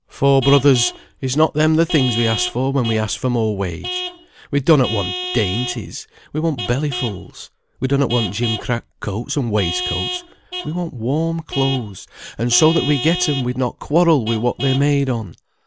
For, brothers, is not them the things we ask for when we ask for more wage? We donnot want dainties, we want bellyfuls; we donnot want gimcrack coats and waistcoats, we want warm clothes, and so that we get 'em we'd not quarrel wi' what they're made on.